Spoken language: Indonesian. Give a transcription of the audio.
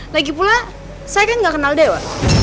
lagi pula saya kan gak kenal dewa